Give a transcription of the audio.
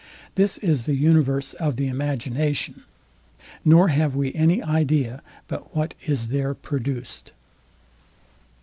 This is the universe of the imagination, nor have we any idea but what is there produced.